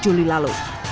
tiga puluh juli lalu